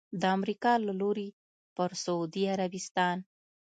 د امریکا له لوري پر سعودي عربستان